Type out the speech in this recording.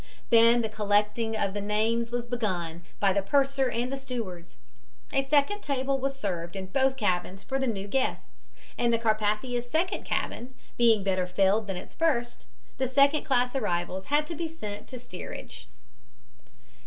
Then the collecting of names was begun by the purser and the stewards. A second table was served in both cabins for the new guests, and the Carpathia's second cabin, being better filled than its first, the second class arrivals had to be sent to the steerage.